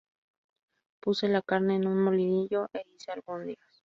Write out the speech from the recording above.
Puse la carne en un molinillo, e hice albóndigas.